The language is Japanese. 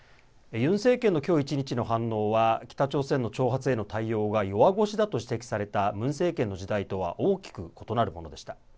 ユン政権の、きょう１日の反応は北朝鮮の挑発への対応が弱腰だと指摘されたムン政権の時代とは大きく異なるものでした。